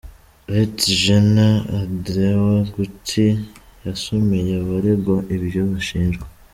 Lt GenÂ AndrewÂ Gutti yasomeye abaregwa ibyo bashinjwa.